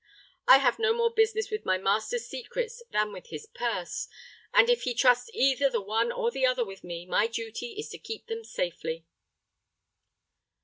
I have no more business with my master's secrets than with his purse, and if he trusts either the one or the other with me, my duty is to keep them safely."